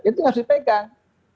itu harus dipegang